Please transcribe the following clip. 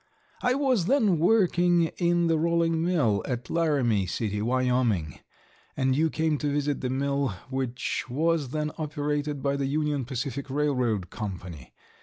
"I was then working in the rolling mill at Laramie City, Wyo., and you came to visit the mill, which was then operated by the Union Pacific Railroad Company.